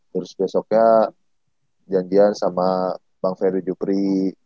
terus besoknya janjian sama bang ferry jupri